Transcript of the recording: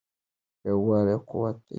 یووالی قوت دی.